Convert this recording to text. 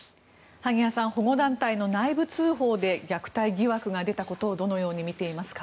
萩谷さん保護団体の内部通報で虐待疑惑が出たことをどのように見ていますか。